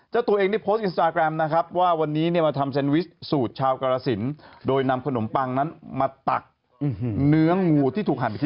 แล้วก็ทานบางแข่งแบบสดเนี่ย